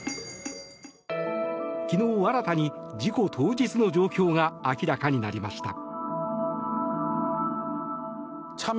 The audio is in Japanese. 昨日、新たに事故当日の状況が明らかになりました。